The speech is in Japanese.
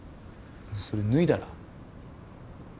それ脱いだら？